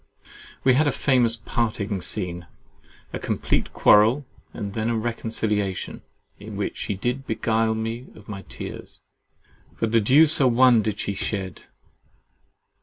We had a famous parting scene, a complete quarrel and then a reconciliation, in which she did beguile me of my tears, but the deuce a one did she shed.